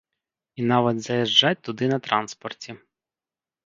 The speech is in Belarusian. І нават заязджаць туды на транспарце.